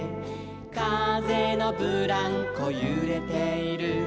「かぜのブランコゆれている」